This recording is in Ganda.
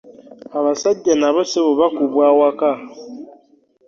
Abaasajja nabo ssebo bakubwa awaka.